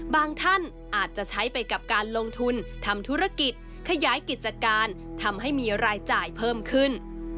ท่านอาจจะใช้ไปกับการลงทุนทำธุรกิจขยายกิจการทำให้มีรายจ่ายเพิ่มขึ้น